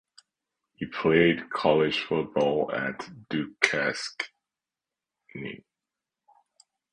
He played college football at Duquesne.